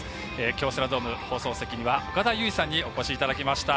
京セラドーム、放送席には岡田結実さんにお越しいただきました。